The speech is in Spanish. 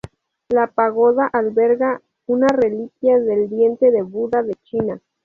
La pagoda alberga una reliquia del "diente de Buda de China".